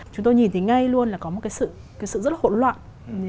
chúng tôi nhìn thấy ngay luôn là có một cái sự rất là hỗn loạn